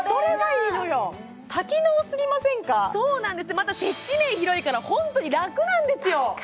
また接地面広いからホントに楽なんですよ！